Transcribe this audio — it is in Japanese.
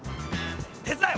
手伝え！